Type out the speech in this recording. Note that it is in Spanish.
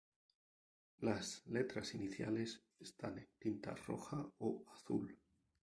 Las letras iniciales están en tinta roja o azul.